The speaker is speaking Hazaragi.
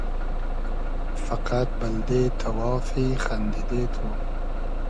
فئقئد بئلدې تئوافی خئندیدې تو